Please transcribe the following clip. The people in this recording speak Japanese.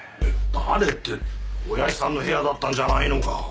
誰って親父さんの部屋だったんじゃないのか？